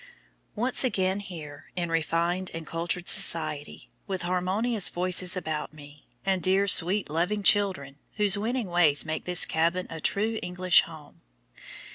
Once again here, in refined and cultured society, with harmonious voices about me, and dear, sweet, loving children whose winning ways make this cabin a true English home.